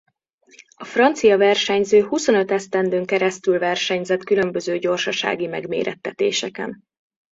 A francia versenyző huszonöt esztendőn keresztül versenyzett különböző gyorsasági megmérettetéseken.